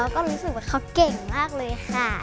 ผมรู้สึกว่าเขาเก่งมากเลยค่ะ